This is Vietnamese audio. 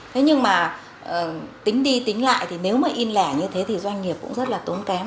thế nhưng mà tính đi tính lại thì nếu mà in lẻ như thế thì doanh nghiệp cũng rất là tốn kém